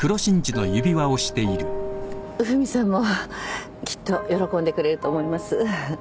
フミさんもきっと喜んでくれると思います。